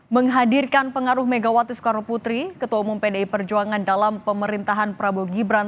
menghadirkan pengaruh megawati soekarno putri ketua umum pdi perjuangan dalam pemerintahan prabowo gibran